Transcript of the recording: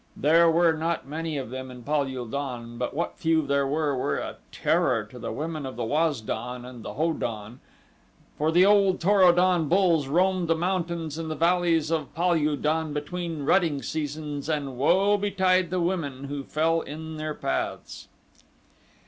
There were not many of them in Pal ul don, but what few there were were a terror to the women of the Waz don and the Ho don, for the old Tor o don bulls roamed the mountains and the valleys of Pal ul don between rutting seasons and woe betide the women who fell in their paths.